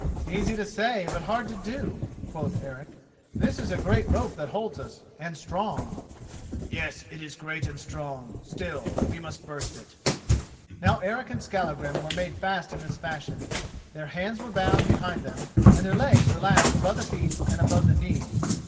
"Easy to say, but hard to do," quoth Eric; "this is a great rope that holds us, and a strong." "Yes, it is great and strong; still, we must burst it." Now Eric and Skallagrim were made fast in this fashion: their hands were bound behind them, and their legs were lashed above the feet and above the knee.